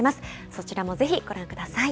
そちらもぜひご覧ください。